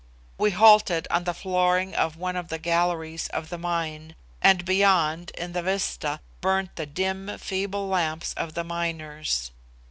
We halted on the flooring of one of the galleries of the mine, and beyond, in the vista, burned the dim, feeble lamps of the miners.